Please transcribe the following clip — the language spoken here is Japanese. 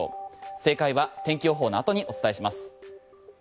正解は天気予報の後にお伝えします。